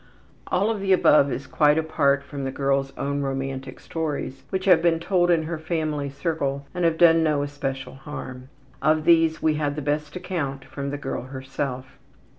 All of the above is quite apart from the girl's own romantic stories which have been told in her family circle and have done no especial harm. Of these we had the best account from the girl herself.